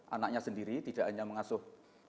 anaknya sendiri tidak hanya mengasuh